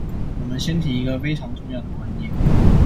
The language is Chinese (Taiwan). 我們先提一個非常重要的觀念